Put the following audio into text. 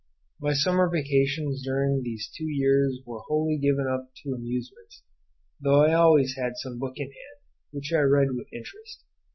My summer vacations during these two years were wholly given up to amusements, though I always had some book in hand, which I read with interest.